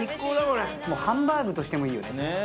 ハンバーグとしてもいいよ。